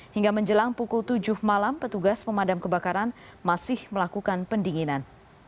hingga menjelang pukul tujuh malam petugas pemadam kebakaran masih melakukan pendinginan